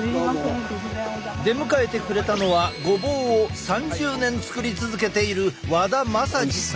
出迎えてくれたのはごぼうを３０年作り続けている和田政司さん。